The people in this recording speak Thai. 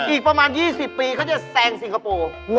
อีกประมาณ๒๐ปีเขาจะแซงสิงคโปร์